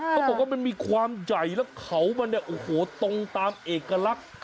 เขาบอกว่ามันมีความใหญ่แล้วเขามันเนี่ยโอ้โหตรงตามเอกลักษณ์